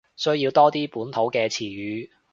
需要多啲本土嘅詞語